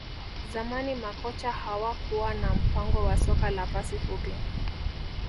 Zamani makocha hawakuwa na mpango wa soka la pasi fupi